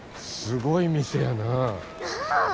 すごい店やなあ。